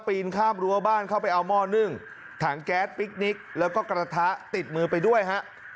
ปีนข้ามรั้วบ้านเข้าไปเอาหม้อนึ่งถังแก๊สปิ๊กนิกแล้วก็กระทะติดมือไปด้วยฮะ